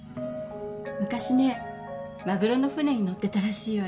昔ねマグロの船に乗ってたらしいわよ。